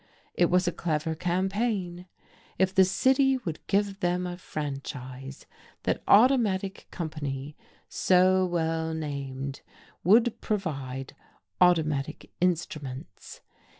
It was a clever campaign. If the city would give them a franchise, that Automatic Company so well named! would provide automatic instruments.